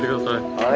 はい。